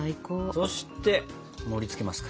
そして盛りつけますか。